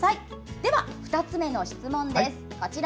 では、２つ目の質問です。